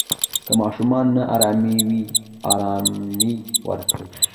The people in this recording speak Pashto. که ماشوم نا آرامه وي، آرامۍ ورکړئ.